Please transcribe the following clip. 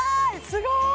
すごい！